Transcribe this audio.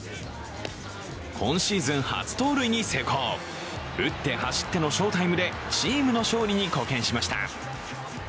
今シーズン初盗塁に成功、打って走っての翔タイムでチームの勝利に貢献しました。